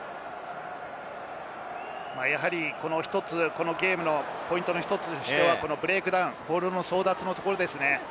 このゲームのポイントの１つとしてはブレイクダウン、ボールの争奪のところですね。